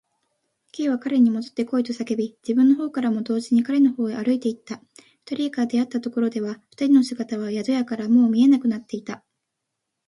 Ｋ は彼にもどってこいと叫び、自分のほうからも同時に彼のほうへ歩いていった。二人が出会ったところでは、二人の姿は宿屋からはもう見えなくなっていた。